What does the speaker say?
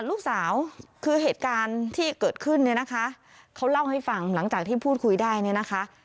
ลูกสาวคือเหตุการณ์ที่เกิดขึ้นเนี่ยนะคะเขาเล่าให้ฟังหลังจากที่พูดคุยได้เนี่ยนะคะ